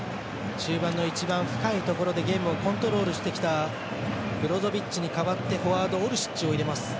中盤の一番深いところでゲームをコントロールしてきたブロゾビッチに代わってフォワードオルシッチを入れます。